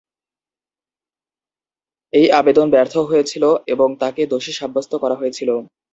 এই আবেদন ব্যর্থ হয়েছিল, এবং তাঁকে দোষী সাব্যস্ত করা হয়েছিল।